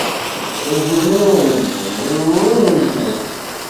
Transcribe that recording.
Разумеется, его несчастье...